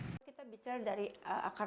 apakah kita bisa mencari masalah